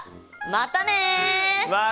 またね！